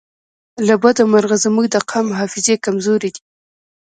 له بده مرغه زموږ د قام حافظې کمزورې دي